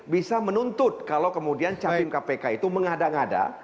bisa menuntut kalau kemudian capim kpk itu mengada ngada